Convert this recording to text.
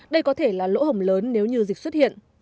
đây có thể là lỗ hồng lớn nếu như dịch xuất hiện